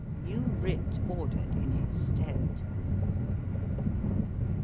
New writ ordered in his stead."